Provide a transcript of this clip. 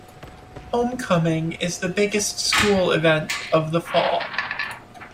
Homecoming is the biggest school event of the fall.